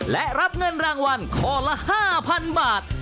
และรับเงินรางวัลข้อละ๕๐๐๐บาท